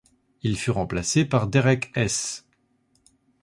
Il fut remplacé par Derek Hess.